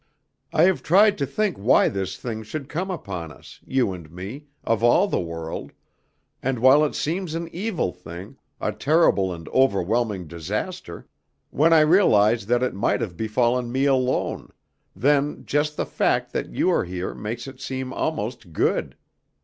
I have tried to think why this thing should come upon us, you and me, of all the world; and while it seems an evil thing, a terrible and overwhelming disaster, when I realize that it might have befallen me alone, then just the fact that you are here makes it seem almost good.